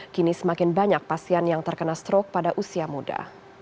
kini semakin banyak pasien yang terkena strok pada usia muda